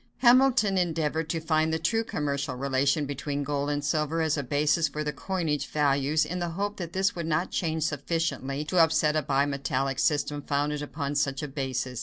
Hamilton endeavored to find the true commercial relation between gold and silver as a basis for the coinage values, in the hope that this would not change sufficiently to upset a bimetallic system founded upon such a basis.